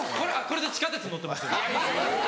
これで地下鉄乗ってます。